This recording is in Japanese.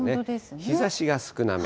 日ざしが少なめ。